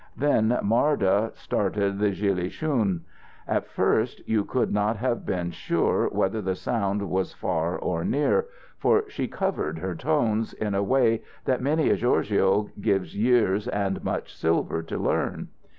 Then Marda started the gillie shoon. At first you could not have been sure whether the sound was far or near, for she "covered" her tones, in a way that many a gorgio gives years and much silver to learn.